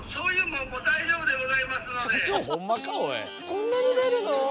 こんなに出るの！？